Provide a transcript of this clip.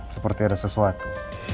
seperti ada sesuatu